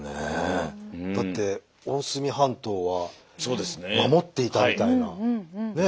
だって大隅半島は守っていたみたいなねえ。